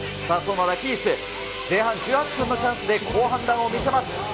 さあ、そのラピース、前半１８分のチャンスで、好判断を見せます。